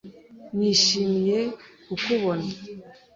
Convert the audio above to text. Nishimiye kukubona. ”